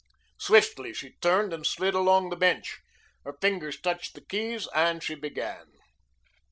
Swiftly she turned and slid along the bench. Her fingers touched the keys and she began.